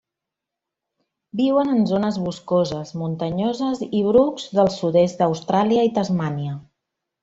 Viuen en zones boscoses, muntanyoses i brucs del sud-est d'Austràlia i Tasmània.